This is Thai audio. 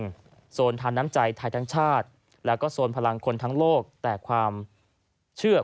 โซนทานน้ำใจไทยทั้งชาติแล้วก็โซนพลังคนทั้งโลกแต่ความเชื่อ